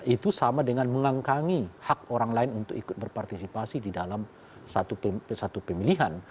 itu sama dengan mengangkangi hak orang lain untuk ikut berpartisipasi di dalam satu pemilihan